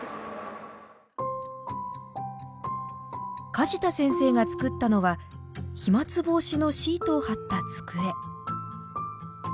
梶田先生が作ったのは飛沫防止のシートを張った机。